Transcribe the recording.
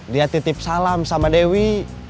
dia titip salam sama dewi